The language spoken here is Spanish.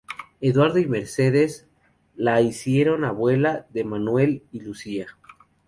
Eduardo y Mercedes la hicieron abuela de Manuel y Lucía.